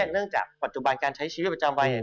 เนื่องจากปัจจุบันการใช้ชีวิตประจำวัน